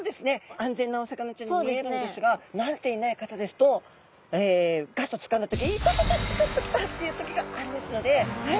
安全なお魚ちゃんに見えるんですが慣れていない方ですとガッとつかんだ時イタタタチクッときた！っていう時がありますのではい。